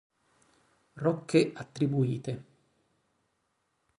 Rocche attribuite